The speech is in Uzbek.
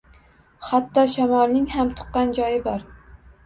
Hatto shamolning ham tuqqan joyi bor.